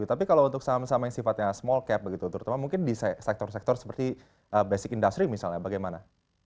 tapi kalau untuk saham saham yang sifatnya small cap begitu terutama mungkin di sektor sektor seperti basic industry misalnya bagaimana